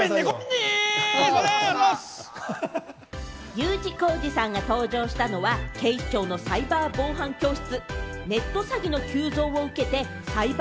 Ｕ字工事さんが登場したのは、警視庁のサイバー防犯教室。